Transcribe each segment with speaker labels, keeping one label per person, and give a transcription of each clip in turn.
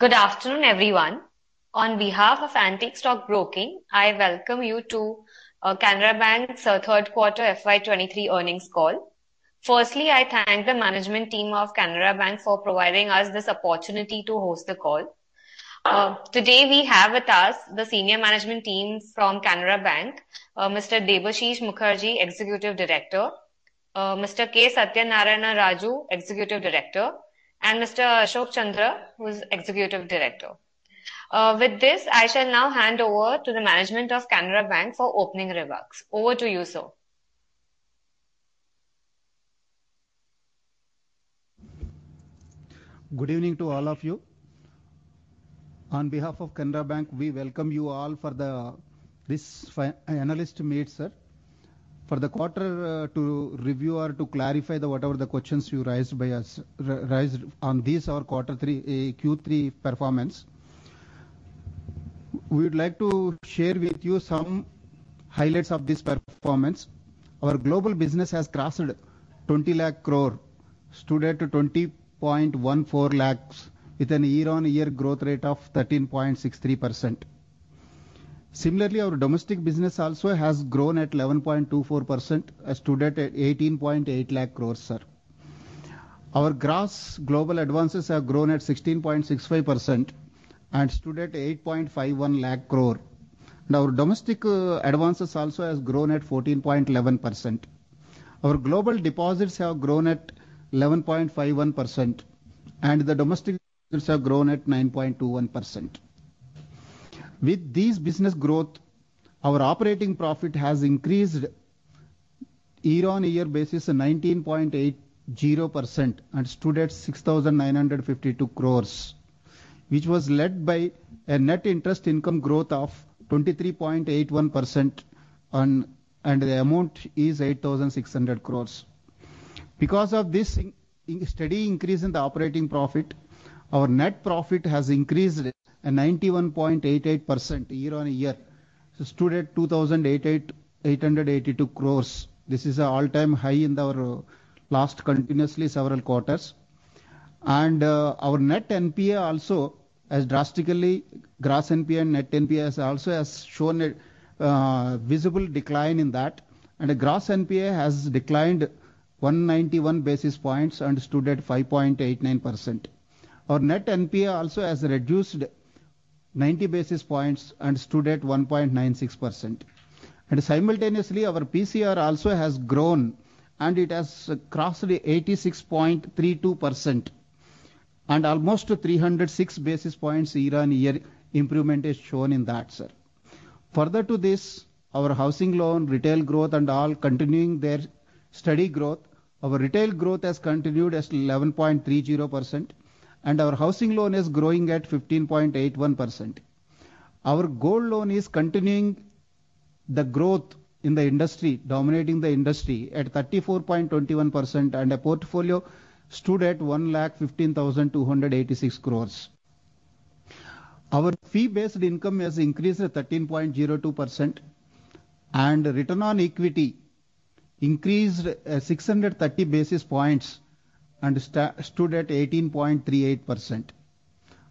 Speaker 1: Good afternoon, everyone. On behalf of Antique Stock Broking, I welcome you to Canara Bank's third quarter FY 2023 earnings call. Firstly, I thank the management team of Canara Bank for providing us this opportunity to host the call. Today we have with us the senior management team from Canara Bank. Mr. Debashish Mukherjee, Executive Director, Mr. K. Satyanarayana Raju, Executive Director, and Mr. Ashok Chandra, who is Executive Director. With this, I shall now hand over to the management of Canara Bank for opening remarks. Over to you, sir.
Speaker 2: Good evening to all of you. On behalf of Canara Bank, we welcome you all for the analyst meet, sir. For the quarter, to review or to clarify the whatever the questions you raised by us, raised on this our Q3 performance. We would like to share with you some highlights of this performance. Our global business has crossed 20 lakh crore, stood at 20.14 lakh with a year-on-year growth rate of 13.63%. Our domestic business also has grown at 11.24%, stood at 18.8 lakh crore, sir. Our gross global advances have grown at 16.65% and stood at 8.51 lakh crore. Our domestic advances also has grown at 14.11%. Our global deposits have grown at 11.51%. The domestic deposits have grown at 9.21%. With this business growth, our operating profit has increased year-on-year basis 19.80% and stood at 6,952 crore, which was led by a net interest income growth of 23.81% and the amount is 8,600 crore. Because of this steady increase in the operating profit, our net profit has increased 91.88% year-on-year. It stood at 2,882 crore. This is a all-time high in our last continuously several quarters. Our net NPA also. Gross NPA and net NPA has shown a visible decline in that. Gross NPA has declined 191 basis points and stood at 5.89%. Our net NPA also has reduced 90 basis points and stood at 1.96%. Simultaneously, our PCR also has grown, and it has crossed the 86.32%, and almost 306 basis points year-on-year improvement is shown in that, sir. Further to this, our housing loan, retail growth and all continuing their steady growth. Our retail growth has continued at 11.30%, and our housing loan is growing at 15.81%. Our gold loan is continuing the growth in the industry, dominating the industry at 34.21%, and the portfolio stood at 1,15,286 crores. Our fee-based income has increased at 13.02%, and return on equity increased 630 basis points and stood at 18.38%.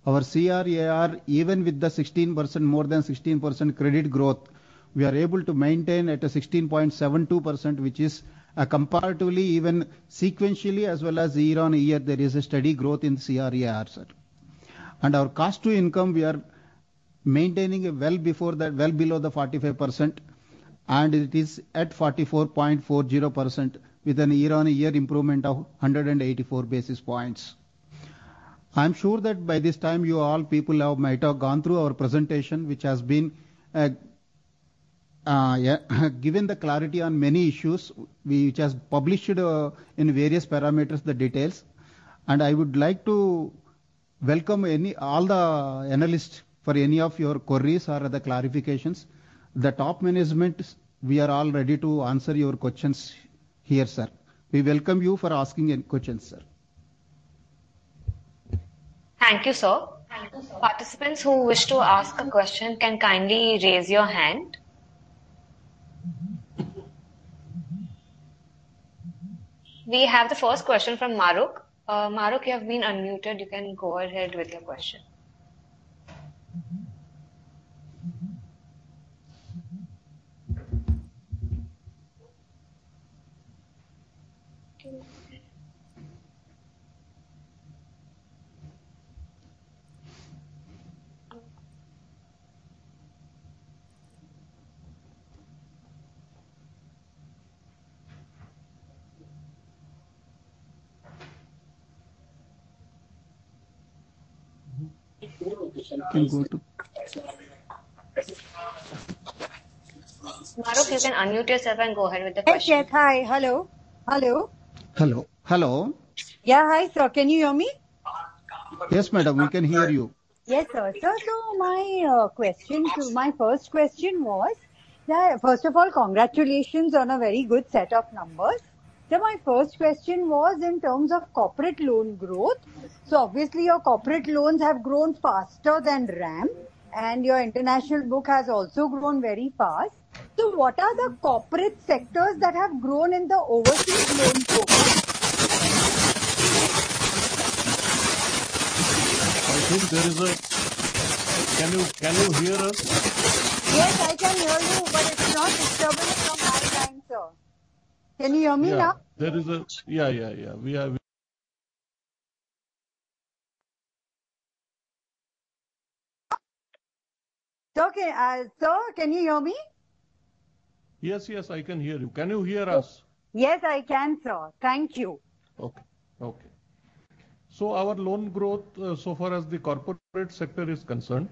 Speaker 2: Our CRAR, even with the 16%, more than 16% credit growth, we are able to maintain at a 16.72%, which is comparatively even sequentially as well as year-on-year, there is a steady growth in CRAR, sir. Our cost to income, we are maintaining well below the 45%, and it is at 44.40% with a year-on-year improvement of 184 basis points. I am sure that by this time you all people have might have gone through our presentation, which has been, yeah, given the clarity on many issues. We just published, in various parameters the details. I would like to welcome all the analysts for any of your queries or the clarifications. The top management, we are all ready to answer your questions here, sir. We welcome you for asking any questions, sir.
Speaker 1: Thank you, sir. Participants who wish to ask a question can kindly raise your hand. We have the first question from Mahrukh. Mahrukh, you have been unmuted. You can go ahead with your question. Mahrukh, you can unmute yourself and go ahead with the question.
Speaker 3: Hi, yes. Hi. Hello? Hello?
Speaker 2: Hello. Hello.
Speaker 3: Yeah. Hi, sir. Can you hear me?
Speaker 2: Yes, madam. We can hear you.
Speaker 3: Yes, sir. Sir, first of all, congratulations on a very good set of numbers. My first question was in terms of corporate loan growth. Obviously your corporate loans have grown faster than RAM, and your international book has also grown very fast. What are the corporate sectors that have grown in the overseas loan book?
Speaker 4: Can you hear us?
Speaker 3: Yes, I can hear you, but it's not disturbance from my end, sir. Can you hear me now?
Speaker 4: Yeah. Yeah.
Speaker 3: Okay, sir, can you hear me?
Speaker 4: Yes. Yes, I can hear you. Can you hear us?
Speaker 3: Yes, I can, sir. Thank you.
Speaker 4: Okay. Our loan growth, so far as the corporate sector is concerned,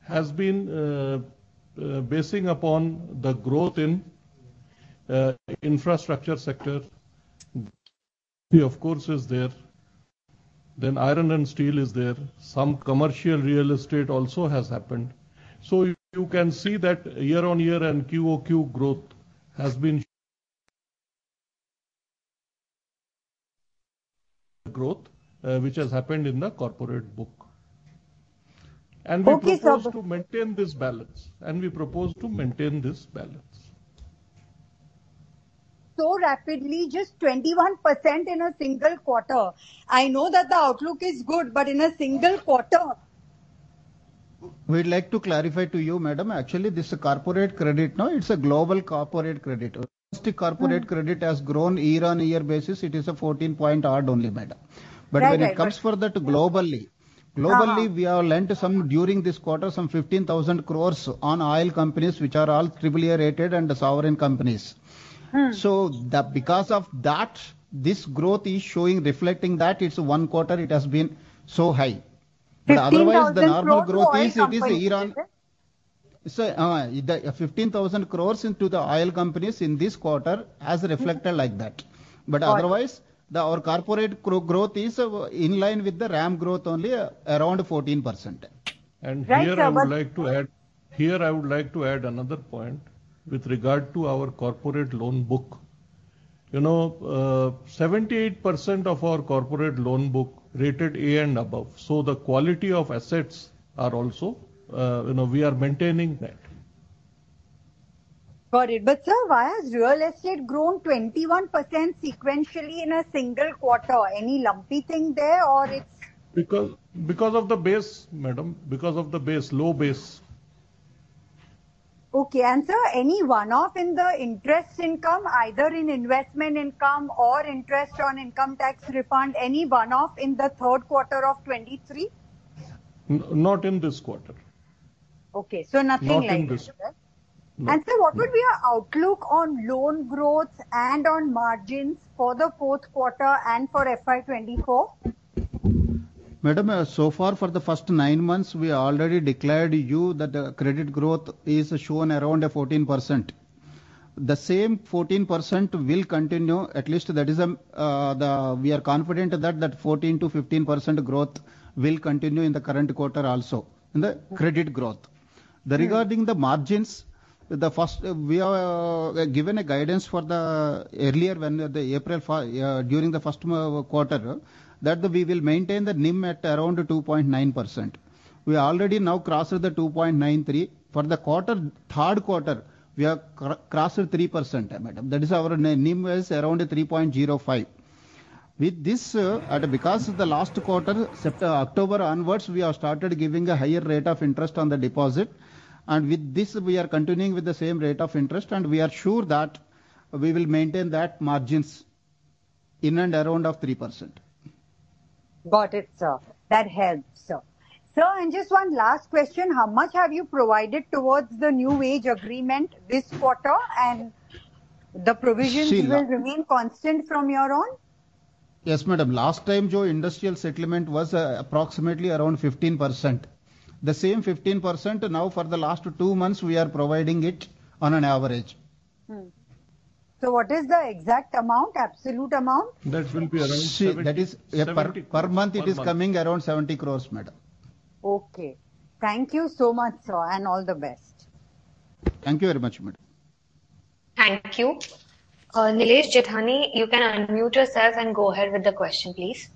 Speaker 4: has been basing upon the growth in infrastructure sector, of course, is there, then iron and steel is there. Some commercial real estate also has happened. You can see that year-over-year and QOQ growth has been growth which has happened in the corporate book.
Speaker 3: Okay, sir.
Speaker 4: We propose to maintain this balance.
Speaker 3: rapidly, just 21% in a single quarter. I know that the outlook is good, in a single quarter.
Speaker 2: We'd like to clarify to you, madam. Actually, this corporate credit, no, it's a global corporate credit. Domestic corporate credit has grown year-over-year basis. It is a 14 point odd only, madam.
Speaker 3: Right. Right. Right.
Speaker 2: When it comes further to.
Speaker 3: Uh-
Speaker 2: Globally, we have lent some during this quarter some 15,000 crores on oil companies which are all triple A rated and the sovereign companies.
Speaker 3: Mm.
Speaker 2: Because of that, this growth is showing reflecting that it's one quarter it has been so high.
Speaker 3: INR 15,000 crores to oil companies.
Speaker 2: Otherwise the normal growth is, it is year on. The 15,000 crores into the oil companies in this quarter has reflected like that.
Speaker 3: Got it.
Speaker 2: Otherwise our corporate growth is in line with the RAM growth only around 14%.
Speaker 4: Here I would like to add.
Speaker 3: Right, sir.
Speaker 4: I would like to add another point with regard to our corporate loan book. You know, 78% of our corporate loan book rated A and above, so the quality of assets are also, we are maintaining that.
Speaker 3: Got it. Sir, why has real estate grown 21% sequentially in a single quarter? Any lumpy thing there or it's-
Speaker 4: Because of the base, madam. Because of the base, low base.
Speaker 3: Okay. Sir, any one-off in the interest income, either in investment income or interest on income tax refund, any one-off in the third quarter of 2023?
Speaker 4: Not in this quarter.
Speaker 3: Okay. Nothing like that, correct?
Speaker 4: Not in this. No.
Speaker 3: Sir, what would be your outlook on loan growth and on margins for the fourth quarter and for FY 2024?
Speaker 2: Madam, so far for the first nine months, we already declared you that the credit growth is shown around 14%. The same 14% will continue. At least that is, we are confident that that 14%-15% growth will continue in the current quarter also in the credit growth.
Speaker 3: Right.
Speaker 2: Regarding the margins, the first, we are given a guidance for the earlier when the April during the first quarter that we will maintain the NIM at around 2.9%. We already now crossed the 2.93%. For the quarter, third quarter, we have crossed 3%, madam. That is our NIM was around 3.05%. With this, at because of the last quarter, September-October onwards, we have started giving a higher rate of interest on the deposit and with this we are continuing with the same rate of interest and we are sure that we will maintain that margins in and around of 3%.
Speaker 3: Got it, sir. That helps, sir. Sir, just one last question. How much have you provided towards the new wage agreement this quarter and the provisions will remain constant from your own?
Speaker 2: Yes, madam. Last time jo industrial settlement was approximately around 15%. The same 15% now for the last two months we are providing it on an average.
Speaker 3: What is the exact amount, absolute amount?
Speaker 4: That will be around seventy-.
Speaker 2: That is.
Speaker 4: 70. 74...
Speaker 2: per month it is coming around 70 crores, madam.
Speaker 3: Okay. Thank you so much, sir, and all the best.
Speaker 2: Thank you very much, madam.
Speaker 1: Thank you. Nilesh Jethani, you can unmute yourselves and go ahead with the question, please.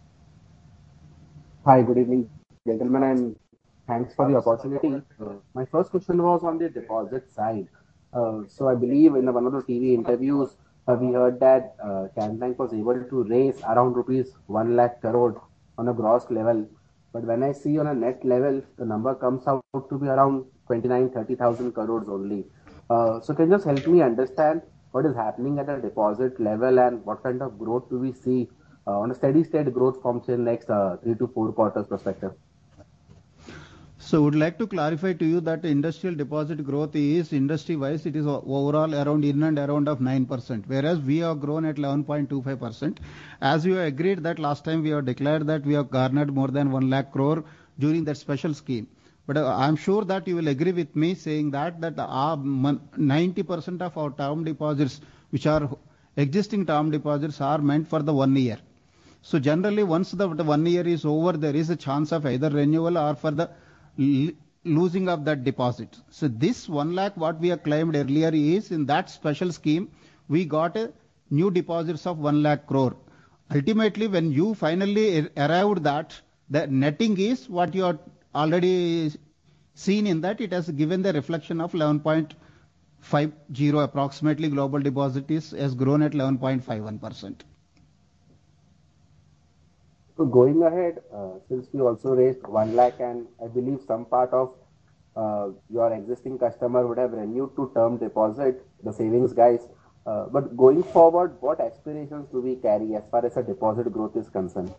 Speaker 5: Hi. Good evening, gentlemen, and thanks for the opportunity. My first question was on the deposit side. I believe in one of the TV interviews, we heard that Canara Bank was able to raise around rupees 1 lakh crore on a gross level. When I see on a net level, the number comes out to be around 29,000-30,000 crores only. Can you just help me understand what is happening at a deposit level and what kind of growth do we see on a steady state growth function next 3-4 quarters perspective?
Speaker 2: Would like to clarify to you that industrial deposit growth is industry-wise. It is overall around in and around of 9%, whereas we have grown at 11.25%. As you agreed that last time we have declared that we have garnered more than 1 lakh crore during that special scheme. I'm sure that you will agree with me saying that 90% of our term deposits, which are existing term deposits, are meant for the one year. Generally once the one year is over, there is a chance of either renewal or for the losing of that deposit. This 1 lakh, what we have claimed earlier is in that special scheme, we got new deposits of 1 lakh crore. Ultimately, when you finally arrived that, the netting is what you are already seeing in that it has given the reflection of 11.50 approximately global deposits has grown at 11.51%.
Speaker 5: Going ahead, since you also raised 1 lakh and I believe some part of your existing customer would have renewed to term deposit the savings guys. Going forward, what expectations do we carry as far as the deposit growth is concerned?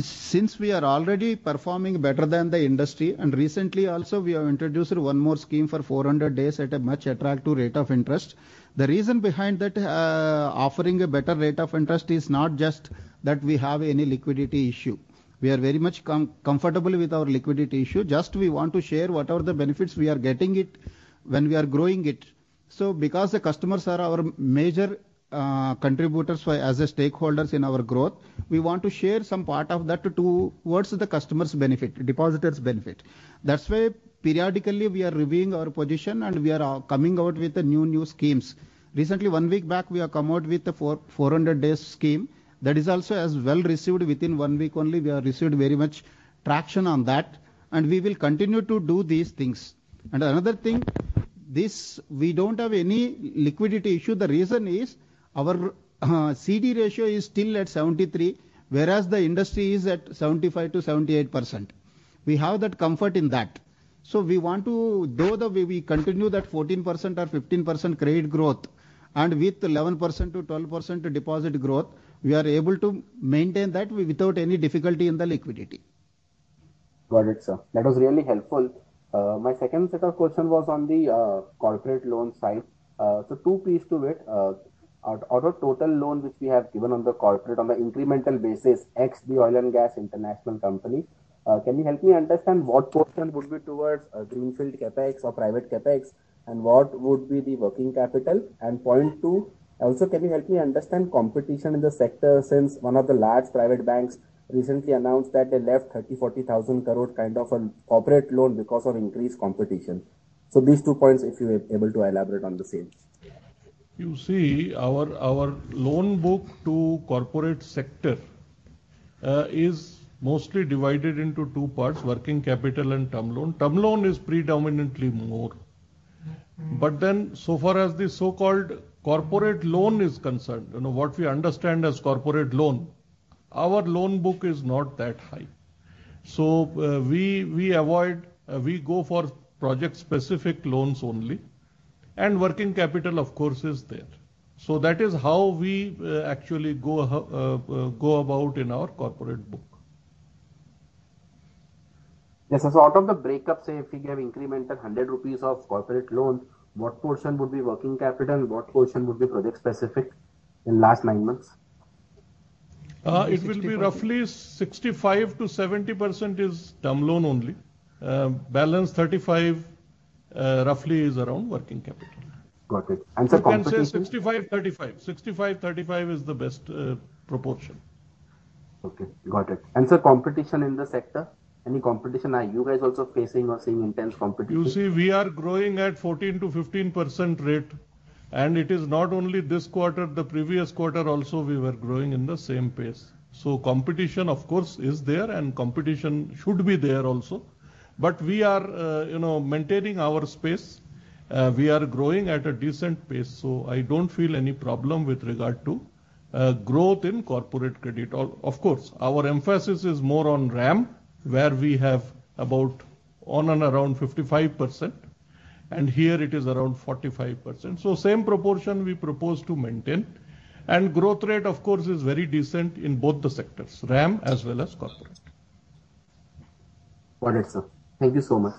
Speaker 2: Since we are already performing better than the industry, recently also we have introduced one more scheme for 400 days at a much attractive rate of interest. The reason behind that, offering a better rate of interest is not just that we have any liquidity issue. We are very much comfortable with our liquidity issue, just we want to share whatever the benefits we are getting it when we are growing it. Because the customers are our major contributors for as a stakeholders in our growth, we want to share some part of that to towards the customer's benefit, depositor's benefit. That's why periodically we are reviewing our position and we are coming out with the new schemes. Recently, 1 week back, we have come out with the 400 days scheme that is also as well received within 1 week only we have received very much traction on that, and we will continue to do these things. Another thing, this we don't have any liquidity issue. The reason is our CD ratio is still at 73%, whereas the industry is at 75%-78%. We have that comfort in that. We want to though the way we continue that 14% or 15% credit growth and with 11%-12% deposit growth, we are able to maintain that without any difficulty in the liquidity.
Speaker 5: Got it, sir. That was really helpful. My second set of question was on the corporate loan side. Two piece to it. Out of total loan which we have given on the corporate on the incremental basis, ex the oil and gas international company, can you help me understand what portion would be towards greenfield CapEx or private CapEx, and what would be the working capital? Point two, also can you help me understand competition in the sector since one of the large private banks recently announced that they left 30,000-40,000 crore kind of a corporate loan because of increased competition? These two points if you are able to elaborate on the same.
Speaker 4: You see, our loan book to corporate sector, is mostly divided into two parts, working capital and term loan. Term loan is predominantly more.
Speaker 5: Mm-hmm.
Speaker 4: So far as the so-called corporate loan is concerned, you know, what we understand as corporate loan, our loan book is not that high. We avoid, we go for project specific loans only, and working capital of course is there. That is how we actually go about in our corporate book.
Speaker 5: Yes, out of the breakup, say if we have incremental 100 rupees of corporate loan, what portion would be working capital and what portion would be project specific in last nine months?
Speaker 4: It will be roughly 65%-70% is term loan only. Balance 35% roughly is around working capital.
Speaker 5: Got it. sir competition-
Speaker 4: You can say 65, 35. 65, 35 is the best proportion.
Speaker 5: Okay, got it. Sir, competition in the sector. Any competition are you guys also facing or seeing intense competition?
Speaker 4: You see, we are growing at 14% to 15% rate. It is not only this quarter, the previous quarter also we were growing in the same pace. Competition of course is there. Competition should be there also. We are, you know, maintaining our space. We are growing at a decent pace. I don't feel any problem with regard to growth in corporate credit. Of course, our emphasis is more on RAM, where we have about on and around 55%. Here it is around 45%. Same proportion we propose to maintain. Growth rate of course is very decent in both the sectors, RAM as well as corporate.
Speaker 5: Got it, sir. Thank you so much.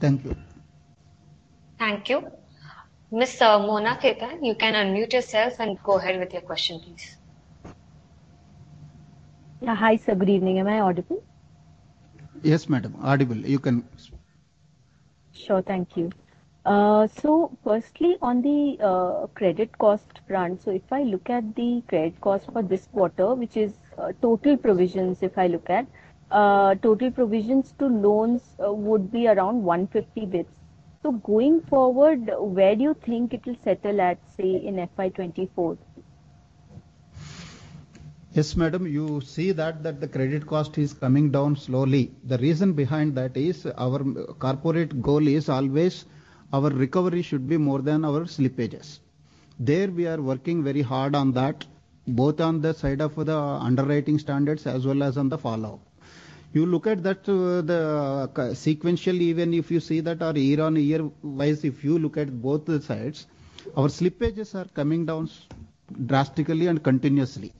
Speaker 2: Thank you.
Speaker 1: Thank you. Miss Mona Ketan, you can unmute yourself and go ahead with your question, please.
Speaker 6: Yeah. Hi, sir. Good evening. Am I audible?
Speaker 2: Yes, madam. Audible. You can speak.
Speaker 6: Sure. Thank you. Firstly on the credit cost front. If I look at the credit cost for this quarter, which is total provisions if I look at total provisions to loans, would be around 150 bits. Going forward, where do you think it will settle at, say, in FY 2024?
Speaker 2: Yes, madam. You see that the credit cost is coming down slowly. The reason behind that is our corporate goal is always our recovery should be more than our slippages. There we are working very hard on that, both on the side of the underwriting standards as well as on the follow-up. You look at that, the sequentially even if you see that our year-on-year wise if you look at both the sides, our slippages are coming down drastically and continuously.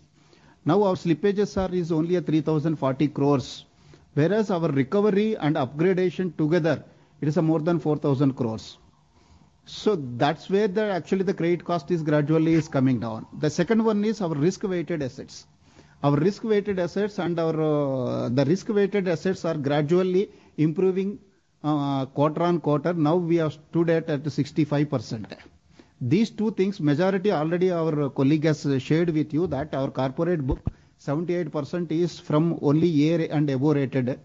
Speaker 2: Now our slippages is only 3,040 crores, whereas our recovery and upgradation together it is a more than 4,000 crores. That's where the actually the credit cost is gradually coming down. The second one is our risk-weighted assets. Our risk-weighted assets and the risk-weighted assets are gradually improving, quarter-on-quarter. Now we have stood at 65%. These two things, majority already our colleague has shared with you that our corporate book. 78% is from only year and above rated.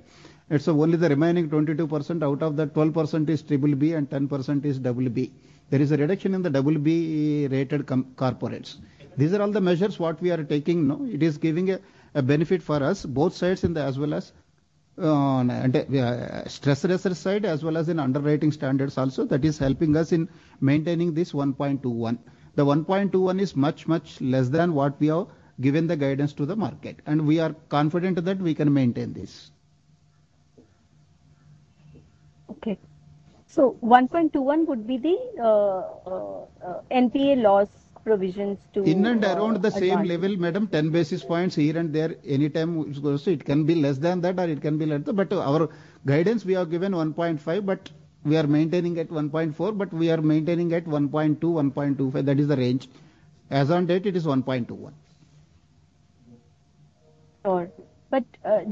Speaker 2: Only the remaining 22%, out of that 12% is triple B and 10% is double B. There is a reduction in the double B rated corporates. These are all the measures what we are taking now. It is giving a benefit for us, both sides in the as well as stress tester side as well as in underwriting standards also. That is helping us in maintaining this 1.21. The 1.21 is much less than what we have given the guidance to the market, and we are confident that we can maintain this.
Speaker 6: Okay. 1.21 would be the NPA loss provisions to.
Speaker 2: In and around the same level, madam. 10 basis points here and there, anytime. It can be less than that or it can be less. Our guidance we have given 1.5. We are maintaining at 1.4. We are maintaining at 1.2-1.25. That is the range. As on date, it is 1.21.
Speaker 6: Sure.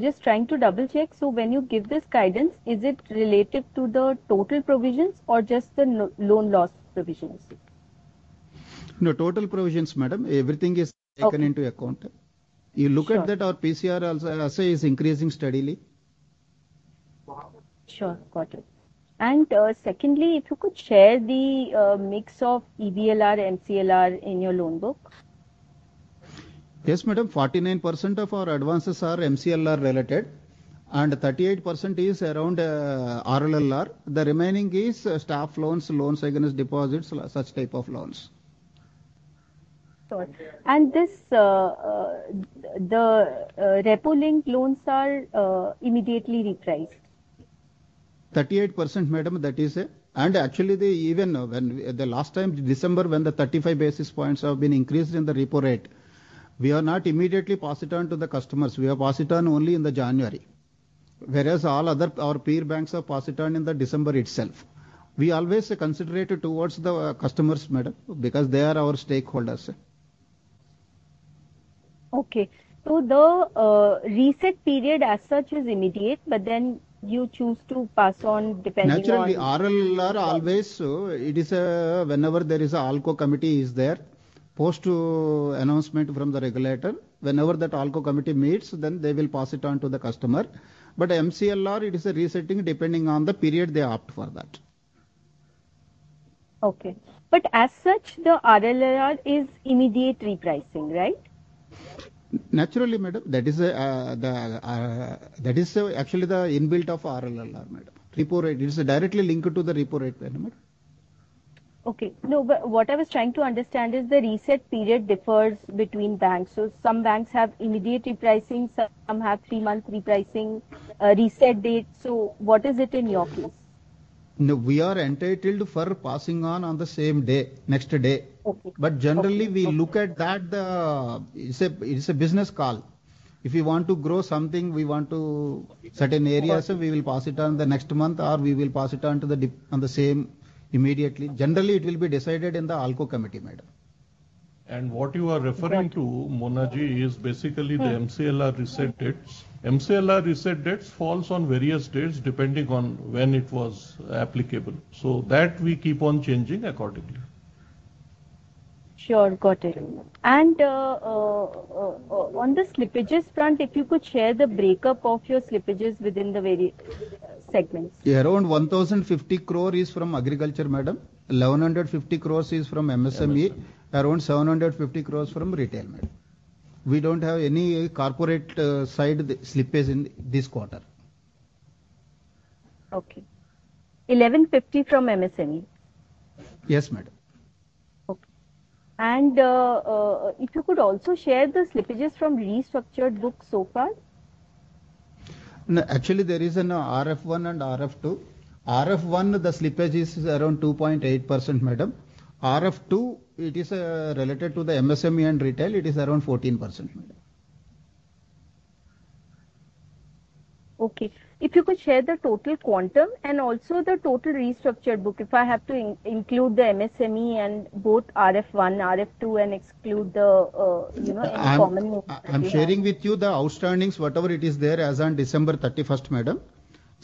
Speaker 6: just trying to double check. when you give this guidance, is it related to the total provisions or just the loan loss provisions?
Speaker 2: No, total provisions, madam.
Speaker 6: Okay.
Speaker 2: -taken into account. You look at that-
Speaker 6: Sure.
Speaker 2: Our PCR also is increasing steadily.
Speaker 6: Sure. Got it. Secondly, if you could share the mix of EBLR and MCLR in your loan book.
Speaker 2: Yes, madam. 49% of our advances are MCLR related and 38% is around RLLR. The remaining is staff loans against deposits, such type of loans.
Speaker 6: Sure. This the repo link loans are immediately repriced.
Speaker 2: 38%, madam, that is it. Actually the last time, December, when the 35 basis points have been increased in the repo rate, we are not immediately pass it on to the customers. We have pass it on only in the January, whereas all other, our peer banks have pass it on in the December itself. We always considerate towards the customers, madam, because they are our stakeholders.
Speaker 6: Okay. The reset period as such is immediate, you choose to pass on depending on.
Speaker 2: RLLR always, it is whenever there is an ALCO committee is there. Post announcement from the regulator, whenever that ALCO committee meets, then they will pass it on to the customer. MCLR, it is resetting depending on the period they opt for that.
Speaker 6: Okay. As such, the RLLR is immediate repricing, right?
Speaker 2: Naturally, madam. That is actually the inbuilt of RLLR, madam. Repo rate is directly linked to the repo rate payment.
Speaker 6: Okay. No, but what I was trying to understand is the reset period differs between banks. some banks have immediate repricing, some have three-month repricing, reset date. what is it in your case?
Speaker 2: No, we are entitled for passing on the same day, next day.
Speaker 6: Okay.
Speaker 2: Generally we look at that, it's a business call. If we want to grow something, we want to certain areas we will pass it on the next month or we will pass it on to the on the same immediately. Generally, it will be decided in the ALCO committee, madam.
Speaker 4: What you are referring to, Mona Khetan, is basically the MCLR reset dates. MCLR reset dates falls on various dates depending on when it was applicable. That we keep on changing accordingly.
Speaker 6: Sure. Got it. On the slippages front, if you could share the breakup of your slippages within the various segments.
Speaker 2: Around 1,050 crore is from agriculture, madam. 1,150 crore is from MSME. Around 750 crore from retail, madam. We don't have any corporate side slippage in this quarter.
Speaker 6: Okay. 1,150 from MSME?
Speaker 2: Yes, madam.
Speaker 6: Okay. If you could also share the slippages from restructured book so far?
Speaker 2: No, actually there is an RF 1 and RF two. RF 1, the slippage is around 2.8%, madam. RF 2, it is related to the MSME and retail. It is around 14%, madam.
Speaker 6: Okay. If you could share the total quantum and also the total restructured book, if I have to include the MSME and both RF 1, RF 2 and exclude the common.
Speaker 2: I'm sharing with you the outstandings, whatever it is there as on December 31, madam.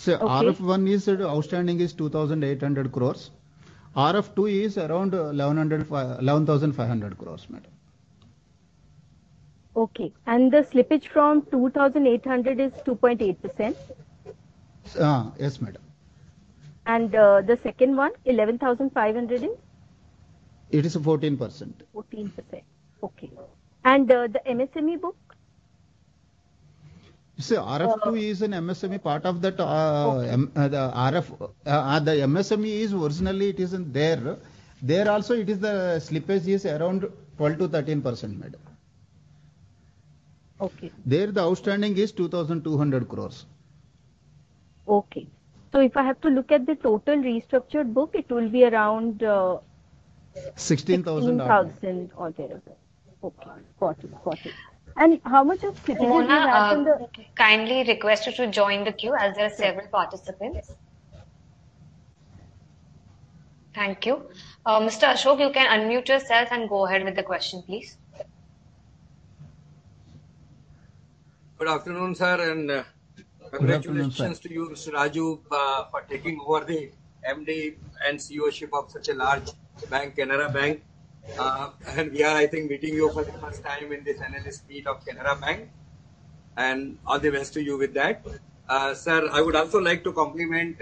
Speaker 6: Okay.
Speaker 2: RF 1 is outstanding is 2,800 crores. RF 2 is around 11,500 crores, madam.
Speaker 6: Okay. The slippage from 2,800 is 2.8%?
Speaker 2: Yes, madam.
Speaker 6: The second one, 11,500 is?
Speaker 2: It is 14%.
Speaker 6: 14%. Okay. The MSME book?
Speaker 2: RF 2 is an MSME part of that.
Speaker 6: Okay.
Speaker 2: The MSME is originally it isn't there. There also it is the slippage is around 12%-13%, madam.
Speaker 6: Okay.
Speaker 2: There the outstanding is 2,200 crores.
Speaker 6: Okay. If I have to look at the total restructured book, it will be around.
Speaker 2: 16,000-
Speaker 6: INR 16,000 or thereabout. Okay. Got it. Got it. How much of slippage?
Speaker 1: Mona, kindly request you to join the queue as there are several participants. Thank you. Mr. Ashok, you can unmute yourself and go ahead with the question, please.
Speaker 7: Good afternoon, sir, and congratulations-
Speaker 2: Good afternoon, sir.
Speaker 7: to you, Sir Raju, for taking over the MD and CEO-ship of such a large bank, Canara Bank. We are, I think, meeting you for the first time in this analyst meet of Canara Bank, and all the best to you with that. Sir, I would also like to compliment,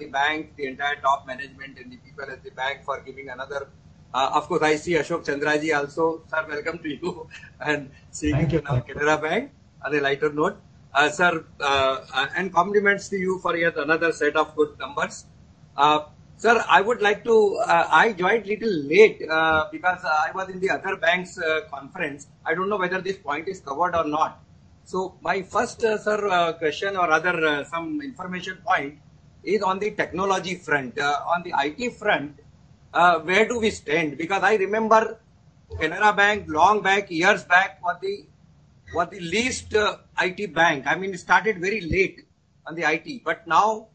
Speaker 7: the bank, the entire top management and the people at the bank for giving another... Of course, I see Ashok Chandra ji also. Sir, welcome to you and seeing you.
Speaker 2: Thank you.
Speaker 7: Now at Canara Bank on a lighter note. Sir, and compliments to you for yet another set of good numbers. Sir, I joined little late because I was in the other bank's conference. I don't know whether this point is covered or not. So my first, sir, question or other, some information point is on the technology front. On the IT front, where do we stand? Because I remember Canara Bank, long back, years back, was the least IT bank. I mean, it started very late on the IT, but now,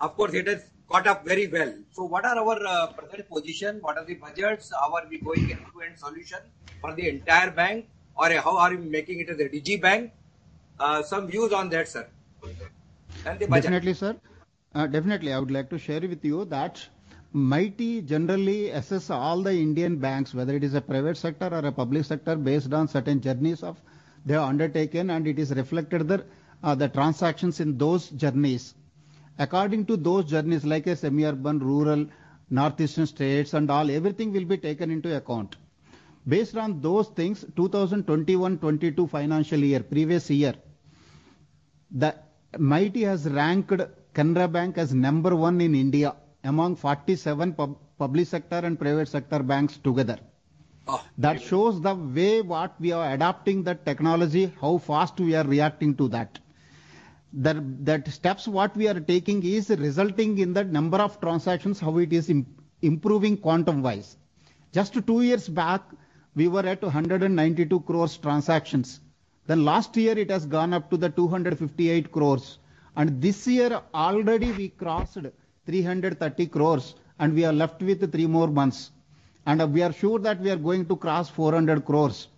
Speaker 7: of course, it has caught up very well. So what are our present position? What are the budgets? How are we going end-to-end solution for the entire bank? Or how are you making it as a digi bank? Some views on that, sir. The budget.
Speaker 2: Definitely, sir. Definitely. I would like to share with you that MeitY generally assess all the Indian banks, whether it is a private sector or a public sector, based on certain journeys of they are undertaken, and it is reflected the transactions in those journeys. According to those journeys, like a semi-urban, rural, northeastern states and all, everything will be taken into account. Based on those things, 2021/2022 financial year, previous year, the MeitY has ranked Canara Bank as number 1 in India among 47 public sector and private sector banks together.
Speaker 7: Oh, very good.
Speaker 2: That shows the way what we are adapting the technology, how fast we are reacting to that. The steps what we are taking is resulting in the number of transactions, how it is improving quantum-wise. Just 2 years back, we were at 192 crores transactions. Last year it has gone up to the 258 crores, and this year already we crossed 330 crores, and we are left with more months, and we are sure that we are going to cross 400 crores.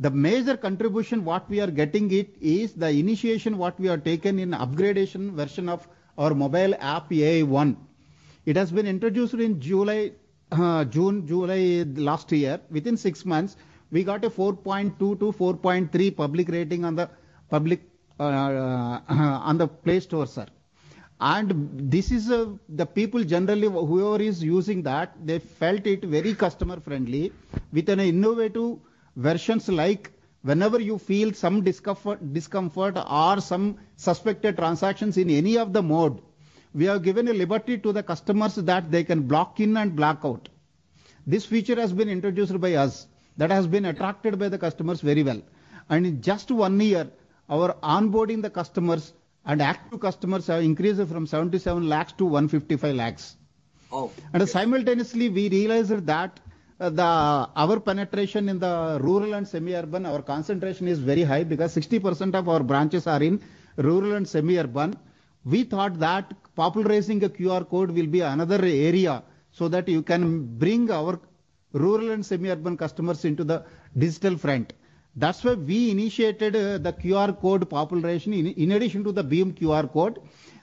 Speaker 2: The major contribution what we are getting it is the initiation what we have taken in upgradation version of our mobile app Canara ai1. It has been introduced in July, June, July last year. Within six months, we got a 4.2-4.3 public rating on the Play Store, sir. This is the people generally whoever is using that, they felt it very customer friendly with an innovative versions like whenever you feel some discomfort or some suspected transactions in any of the mode, we have given a liberty to the customers that they can block in and block out. This feature has been introduced by us. That has been attracted by the customers very well. In just one year, our onboarding the customers and active customers have increased from 77 lakhs to 155 lakhs.
Speaker 7: Oh.
Speaker 2: Simultaneously, we realized that our penetration in the rural and semi-urban, our concentration is very high because 60% of our branches are in rural and semi-urban. We thought that popularizing a QR code will be another area so that you can bring our rural and semi-urban customers into the digital front. That's why we initiated the QR code popularization in addition to the BHIM QR code.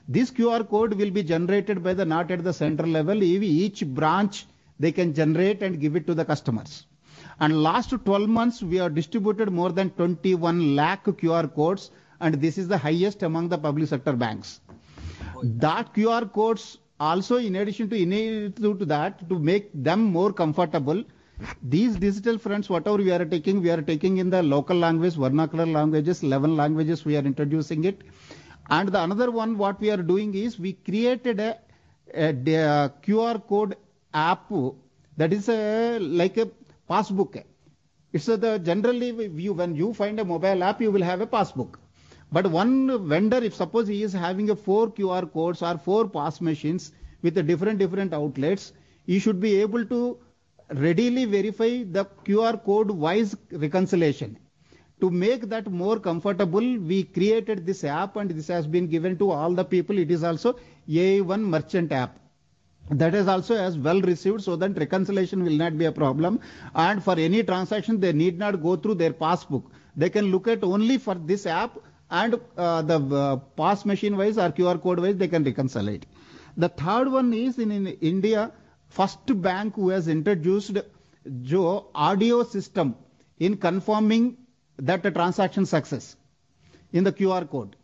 Speaker 2: This QR code will be generated not at the central level. Every each branch, they can generate and give it to the customers. Last 12 months, we have distributed more than 21 lakh QR codes, and this is the highest among the public sector banks.
Speaker 7: Oh.
Speaker 2: That QR codes also in addition to that, to make them more comfortable, these digital fronts, whatever we are taking, we are taking in the local language, vernacular languages, 11 languages we are introducing it. Another one what we are doing is we created a QR code app that is like a passbook. It's, the generally when you find a mobile app, you will have a passbook. One vendor, if suppose he is having four QR codes or four pass machines with different outlets, he should be able to readily verify the QR code-wise reconciliation. To make that more comfortable, we created this app, and this has been given to all the people. It is also Canara ai1 Merchant App. That is also as well received so that reconciliation will not be a problem. For any transaction, they need not go through their pass book. They can look at only for this app and the pass machine wise or QR code wise they can reconcile it. The third one is in India, first bank who has introduced audio system in confirming that a transaction success in the QR code.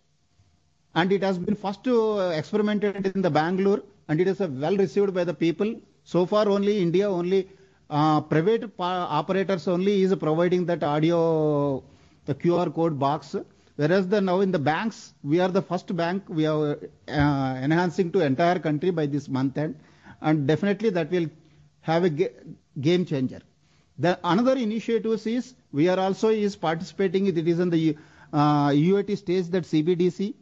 Speaker 2: It has been first experimented in the Bangalore, and it is well received by the people. So far only India only private operators only is providing that audio, the QR code box. Whereas the now in the banks, we are the first bank, we are enhancing to entire country by this month end, and definitely that will have a game changer. The another initiatives is we are also is participating. It is in the UAT stage that CBDC,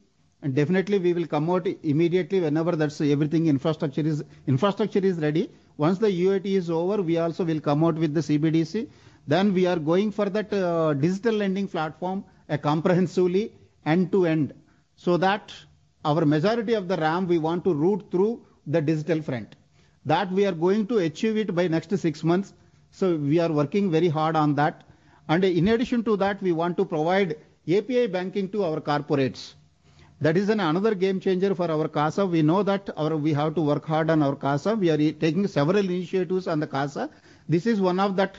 Speaker 2: and definitely we will come out immediately whenever that's everything infrastructure is ready. Once the UAT is over, we also will come out with the CBDC. We are going for that digital lending platform, comprehensively end-to-end, so that our majority of the RAM we want to route through the digital front. That we are going to achieve it by next six months. We are working very hard on that. In addition to that, we want to provide API banking to our corporates. That is an another game changer for our CASA. We know that we have to work hard on our CASA. We are taking several initiatives on the CASA. This is one of that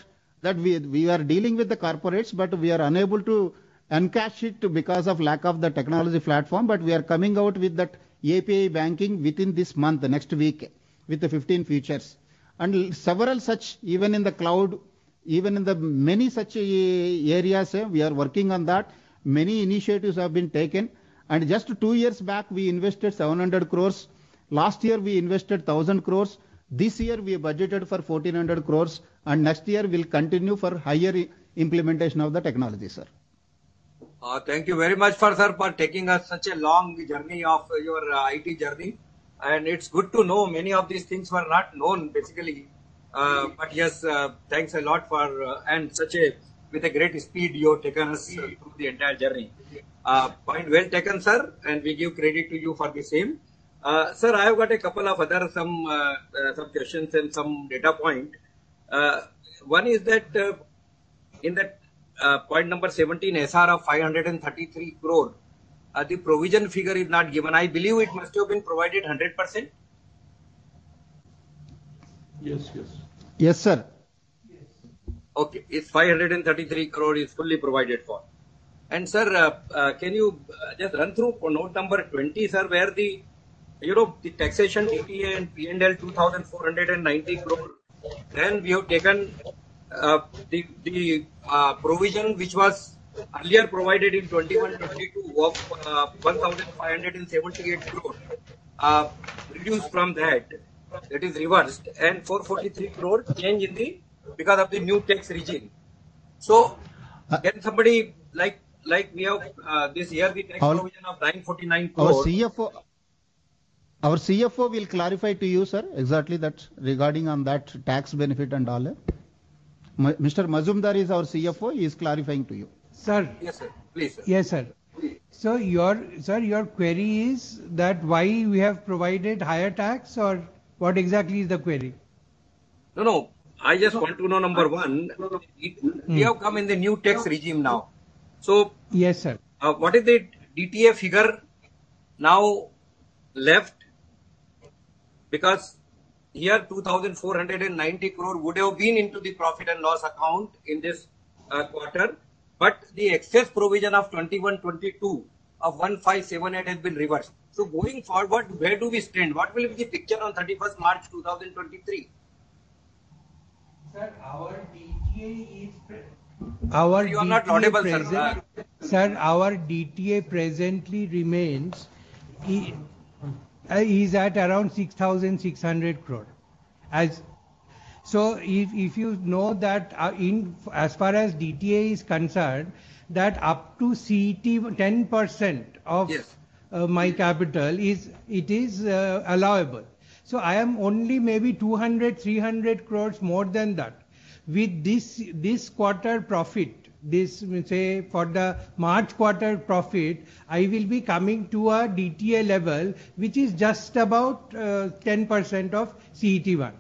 Speaker 2: we are dealing with the corporates, but we are unable to encash it because of lack of the technology platform, but we are coming out with that API banking within this month, next week, with the 15 features. Several such, even in the cloud, even in many such areas, we are working on that. Many initiatives have been taken. Just two years back, we invested 700 crores. Last year, we invested 1,000 crores. This year, we have budgeted for 1,400 crores, and next year we'll continue for higher implementation of the technology, sir.
Speaker 7: Thank you very much for, sir, for taking us such a long journey of your IT journey. It's good to know many of these things were not known, basically. Yes, thanks a lot for... Such a, with a great speed you have taken us through the entire journey. Point well taken, sir, and we give credit to you for the same. Sir, I have got a couple of other some questions and some data point. One is that, in that, point number 17, SR of 533 crore, the provision figure is not given. I believe it must have been provided 100%.
Speaker 2: Yes, yes. Yes, sir.
Speaker 7: Okay. If 533 crore is fully provided for. Sir, can you just run through for note number 20, sir, where the, you know, the taxation DTA and PNL 2,490 crore, then we have taken the provision which was earlier provided in 2021-2022 of 1,578 crore reduced from that. That is reversed. 443 crore change in the... because of the new tax regime. Can somebody like we have this year the tax provision of INR 949 crore-
Speaker 2: Our CFO will clarify to you, sir, exactly that regarding on that tax benefit and all that. Mr. Mazumdar is our CFO. He is clarifying to you. Sir.
Speaker 8: Yes, sir. Please. Yes, sir.
Speaker 7: Please.
Speaker 8: Sir, your query is that why we have provided higher tax or what exactly is the query?
Speaker 7: No, no. I just want to know number one.
Speaker 9: No, no.
Speaker 7: We have come in the new tax regime now.
Speaker 10: Yes, sir.
Speaker 7: What is the DTA figure now left? Here 2,490 crore would have been into the profit and loss account in this quarter. The excess provision of 2021-2022 of 1,578 crore has been reversed. Going forward, where do we stand? What will be the picture on 31st March 2023?
Speaker 10: Sir, our DTA is. Our DTA.
Speaker 7: You are not audible, sir.
Speaker 10: Sir, our DTA presently is at around 6,600 crore. If you know that, in as far as DTA is concerned, that up to CET 10% of.
Speaker 7: Yes my capital is, it is allowable. I am only maybe 200 crore-300 crore more than that. With this quarter profit, this we say for the March quarter profit, I will be coming to a DTA level which is just about 10% of CET1.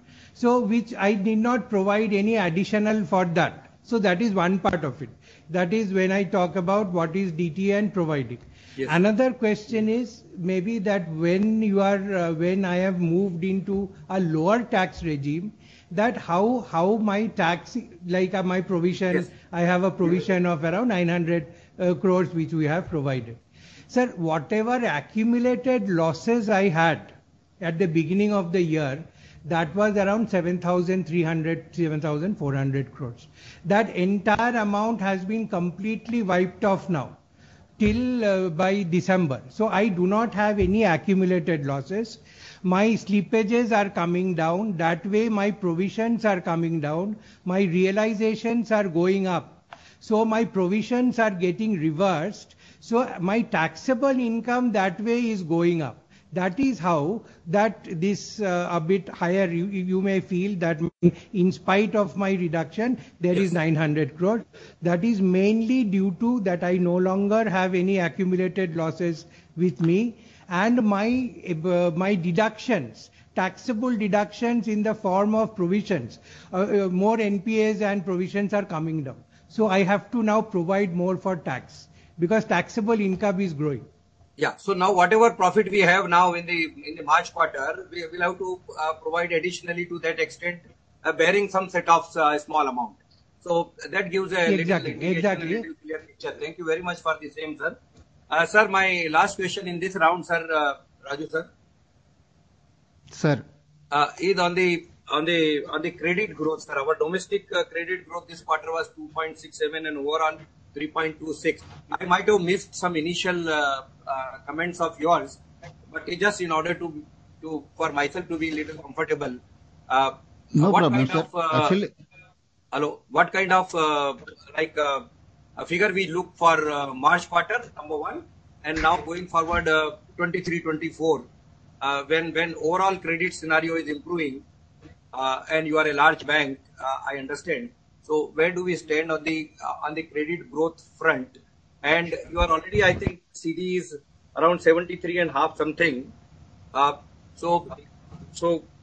Speaker 7: Which I did not provide any additional for that. That is one part of it. That is when I talk about what is DTA and providing. Yes. Another question is maybe that when you are, when I have moved into a lower tax regime, that how my tax, like, my provision-? Yes I have a provision of around 900 crore which we have provided. Sir, whatever accumulated losses I had at the beginning of the year, that was around 7,300 crore-7,400 crore. That entire amount has been completely wiped off now till by December. I do not have any accumulated losses. My slippages are coming down. That way, my provisions are coming down. My realizations are going up. My provisions are getting reversed. My taxable income that way is going up. That is how that this a bit higher you may feel that in spite of my reduction there is 900 crore. That is mainly due to that I no longer have any accumulated losses with me. My, my deductions, taxable deductions in the form of provisions, more NPAs and provisions are coming down. I have to now provide more for tax because taxable income is growing. Yeah. now whatever profit we have now in the, in the March quarter, we will have to provide additionally to that extent, bearing some set-offs, small amount. Exactly. Exactly. ...clear picture. Thank you very much for the same, sir. Sir, my last question in this round, sir, Raju sir. Sir. Is on the credit growth, sir. Our domestic credit growth this quarter was 2.67% and overall 3.26%. I might have missed some initial comments of yours, but just in order to for myself to be little comfortable, No problem, sir. Hello? What kind of, like, figure we look for March quarter, number one? Going forward, 2023, 2024, when overall credit scenario is improving? You are a large bank, I understand. Where do we stand on the credit growth front? You are already, I think, CD is around 73.5%. So